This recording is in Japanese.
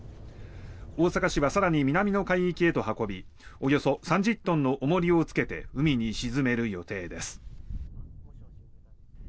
大阪市は更に南の海域へと運びおよそ３０トンの重りをつけて海に沈める予定です。